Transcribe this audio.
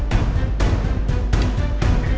มันน่ะมาดูนี่สิ